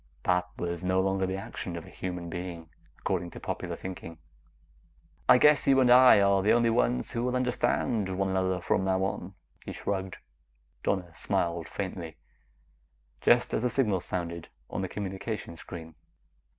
That was no longer the action of a normal human being, according to popular thinking. "I guess you and I are the only ones who will understand one another from now on," he shrugged. Donna smiled faintly, just as the signal sounded on the communication screen.